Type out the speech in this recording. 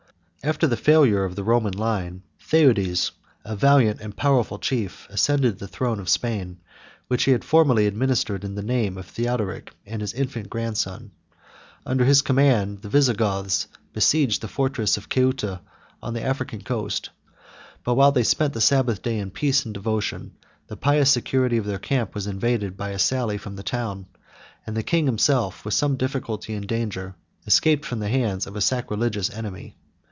After the failure of the royal line, Theudes, a valiant and powerful chief, ascended the throne of Spain, which he had formerly administered in the name of Theodoric and his infant grandson. Under his command, the Visigoths besieged the fortress of Ceuta on the African coast: but, while they spent the Sabbath day in peace and devotion, the pious security of their camp was invaded by a sally from the town; and the king himself, with some difficulty and danger, escaped from the hands of a sacrilegious enemy.